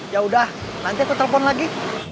yaudah nanti aku telepon lagi